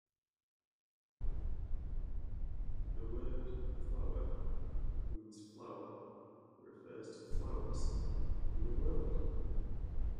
The word 'flower' means flower that refers to flowers in the world.